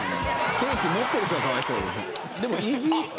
ケーキ持っている人がかわいそう。